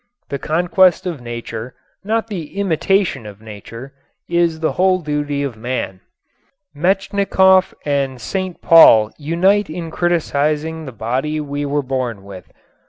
The conquest of nature, not the imitation of nature, is the whole duty of man. Metchnikoff and St. Paul unite in criticizing the body we were born with.